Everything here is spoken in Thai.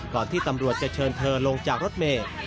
ที่ตำรวจจะเชิญเธอลงจากรถเมย์